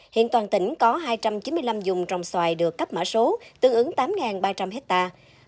hiện toàn tỉnh có hai trăm chín mươi năm dùng trồng xoài được cấp mã số tương ứng tám ba trăm linh hectare